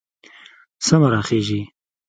سمه راخېژي